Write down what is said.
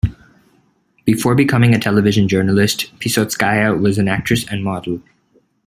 Before becoming a television journalist, Pesotskaya was an actress and model.